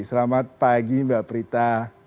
selamat pagi mbak prita